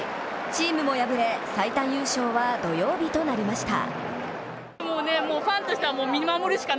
チームも敗れ、最短優勝は土曜日となりました。